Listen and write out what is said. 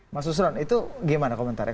mas usron itu gimana komentarnya